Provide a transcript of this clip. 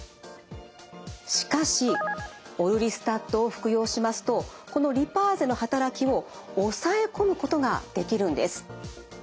しかしオルリスタットを服用しますとこのリパーゼの働きを抑え込むことができるんです。